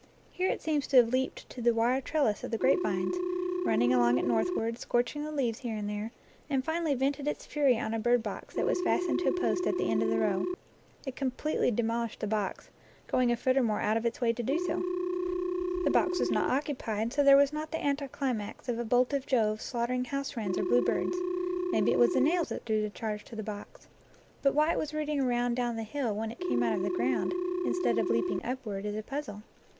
Here it seems to have leaped to the wire trellis of the grapevines, running along it northward, scorching the leaves here and there, and finally vented its fury on a bird box that was fastened to a post at the end of the row. It com pletely demolished the box, going a foot or more out of its way to do so. The box was not occupied, so there was not the anticlimax of a bolt of Jove slaughtering house wrens or bluebirds. Maybe it was the nails that drew the charge to the box. But 16 NATURE LORE why it was rooting around down the hill when it came out of the ground, instead of leaping upward, is a puzzle.